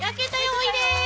おいで。